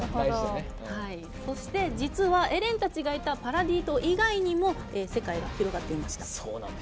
そして、実はエレンたちがいたパラディ島以外にも世界が広がっていました。